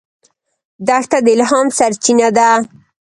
دښته د الهام سرچینه ده.